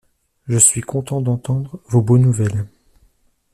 Je suis content d’entendre vos bonnes nouvelles.